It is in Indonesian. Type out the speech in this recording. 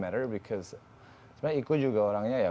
karena sebenarnya iko juga orangnya ya